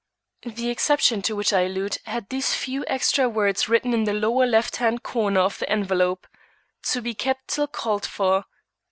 The exception to which I allude had these few extra words written in the lower left hand corner of the envelope: "_To be kept till called for.